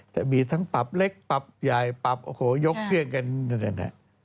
จะมีทั้งปรับเล็กปรับใหญ่ปรับโอ้โหยกเครื่องกัน